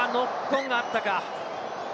ここはノックオンがあったか。